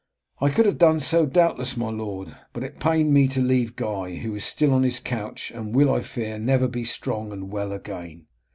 "I could have done so, doubtless, my lord, but it pained me to leave Guy, who is still on his couch, and will, I fear, never be strong and well again."